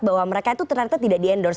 bahwa mereka itu ternyata tidak di endorse